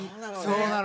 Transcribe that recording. そうなの。